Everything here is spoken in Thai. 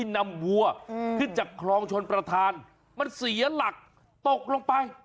นำวัวขึ้นจากคลองชนประธานมันเสียหลักตกลงไป